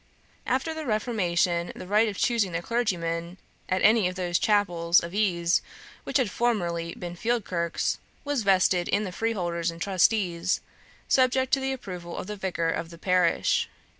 After the Reformation, the right of choosing their clergyman, at any of those chapels of ease which had formerly been field kirks, was vested in the freeholders and trustees, subject to the approval of the vicar of the parish.